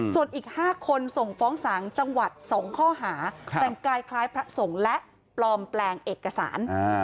ส่วนอีก๕คนส่งฟ้องศาลจังหวัด๒ข้อหาแต่งกายคล้ายพระสงฆ์และปลอมแปลงเอกสาร